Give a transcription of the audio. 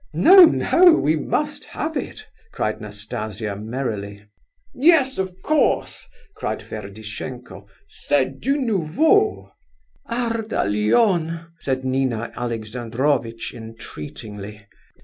"No, no, we must have it!" cried Nastasia merrily. "Yes, of course," said Ferdishenko. "C'est du nouveau." "Ardalion," said Nina Alexandrovitch, entreatingly.